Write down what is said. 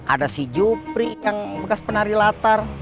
ada si jupri yang bekas penari latar